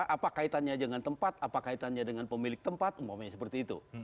apa kaitannya dengan tempat apa kaitannya dengan pemilik tempat umumnya seperti itu